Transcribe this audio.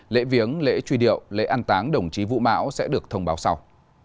lễ viếng lễ truy điệu lễ an táng đồng chí vũ mão sẽ được thông báo sau